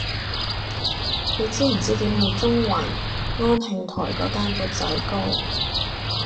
你知唔知點去中環安慶台嗰間缽仔糕